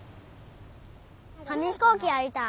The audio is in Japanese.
かみひこうきやりたい。